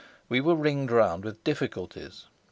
We were ringed round with difficulties.